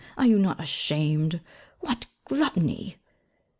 Are you not ashamed what gluttony!'